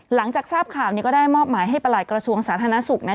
หลังจากทราบข่าวนี้ก็ได้มอบหมายให้ประหลัดกระทรวงสาธารณสุขนั้น